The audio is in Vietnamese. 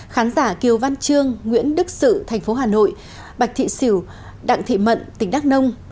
khán giả kiều văn trương nguyễn đức sự thành phố hà nội bạch thị xỉu đặng thị mận tỉnh đắk nông